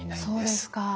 そうですか。